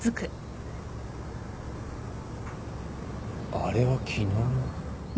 あれは昨日の。